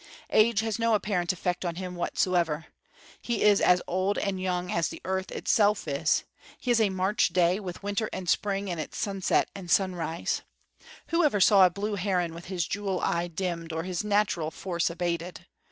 Age has no apparent effect on him whatsoever. He is as old and young as the earth itself is; he is a March day, with winter and spring in its sunset and sunrise. Who ever saw a blue heron with his jewel eye dimmed or his natural force abated?